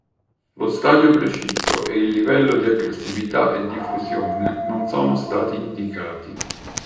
Lo stadio preciso e il livello di aggressività e diffusione non sono stati indicati.